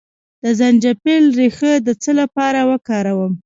د زنجبیل ریښه د څه لپاره وکاروم؟